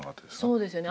そうですよね。